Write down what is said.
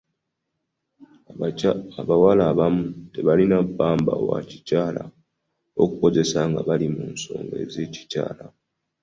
Abawala abamu tebalina ppamba wa kikyala ow'okukozesa nga bali mu nsonga z'ekikyala.